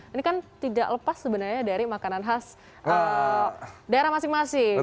ini kan tidak lepas sebenarnya dari makanan khas daerah masing masing